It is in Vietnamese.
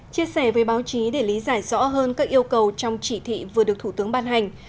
chia sẻ với báo chí để lý giải rõ hơn các yêu cầu trong chỉ thị vừa được thủ tướng ban hành